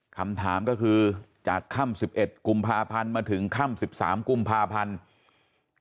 คำถามก็คือจากค่ำ๑๑กุมภาพันธ์มาถึงค่ำ๑๓กุมภาพันธ์